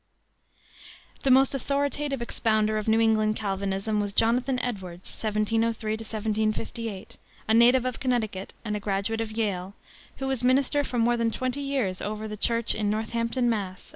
The most authoritative expounder of New England Calvinism was Jonathan Edwards (1703 1758), a native of Connecticut, and a graduate of Yale, who was minister for more than twenty years over the Church in Northampton, Mass.